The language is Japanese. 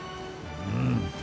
うん。